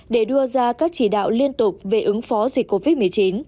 để đưa ra các chỉ đạo liên tục về ứng phó dịch covid một mươi chín